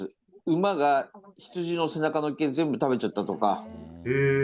馬が羊の背中の毛、全部食べちゃったとか。